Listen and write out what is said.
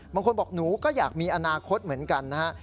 บางคนบอกหนูก็อยากมีอนาคตเหมือนกันนะฮะ